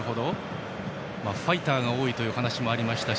ファイターが多いという話もありましたし